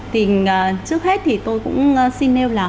thì trước hết thì tôi cũng xin nêu là